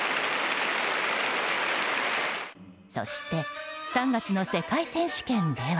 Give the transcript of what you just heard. そして、３月の世界選手権では。